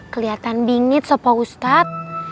keliatan bingits opa ustadz